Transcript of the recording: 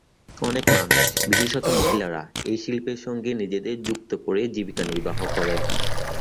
অনেক মানুষ, বিশেষত মহিলারা এই শিল্পের সঙ্গে নিজেদের যুক্ত করে জীবিকা নির্বাহ করেন।